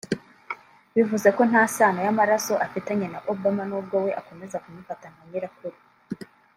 bivuze ko nta sano y’amaraso afitanye na Obama n’ubwo we akomeza kumufata nka nyirakuru